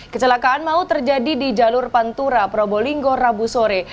kecelakaan maut terjadi di jalur pantura probolinggo rabu sore